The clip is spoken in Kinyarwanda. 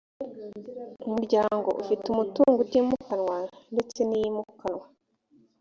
umuryango ufite umutungo utimukanwa ndetse n’iyimukanwa